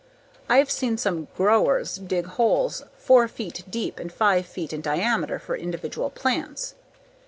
I've seen some GROWers dig holes four feet deep and five feet in diameter for individual plants.